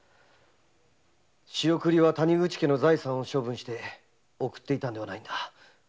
仕送りは谷口家の財産を処分して送っていたのではないんだ。